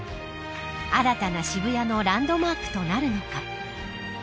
新たな渋谷のランドマークとなるのか。